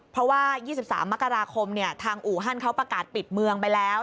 เพราะว่า๒๓มกราคมทางอู่ฮั่นเขาประกาศปิดเมืองไปแล้ว